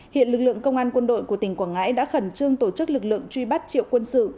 hiện lực lượng công an quân đội của tỉnh quảng ngãi đã khẩn trương tổ chức lực lượng truy bắt triệu quân sự